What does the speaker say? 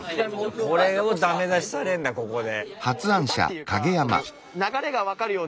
これをダメ出しされんだここで。